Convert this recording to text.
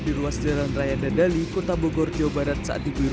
posisinya kayak jaraknya dari sini ke sana gitu